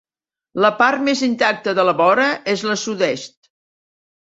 La part més intacta de la vora és la sud-est.